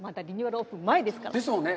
オープン前ですから。ですよね。